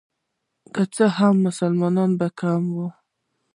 که څه هم مسلمانان به کم وو.